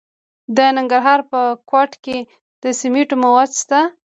د ننګرهار په کوټ کې د سمنټو مواد شته.